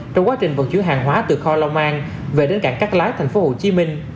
trong quá trình vật chứa hàng hóa từ kho long an về đến cảng cát lái tp hcm